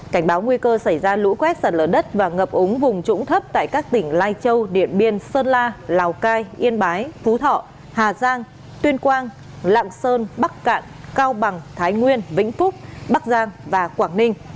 cảnh báo nguy cơ xảy ra lũ quét sạt lở đất và ngập úng vùng trũng thấp tại các tỉnh lai châu điện biên sơn la lào cai yên bái phú thọ hà giang tuyên quang lạng sơn bắc cạn cao bằng thái nguyên vĩnh phúc bắc giang và quảng ninh